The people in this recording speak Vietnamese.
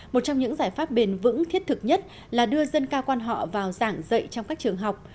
một trong những giải pháp bền vững thiết thực nhất là đưa dân ca quan họ vào giảng dạy trong các trường học